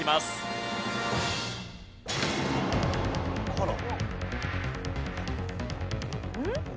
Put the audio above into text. あら！